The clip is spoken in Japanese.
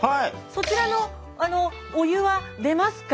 そちらのあのお湯は出ますか？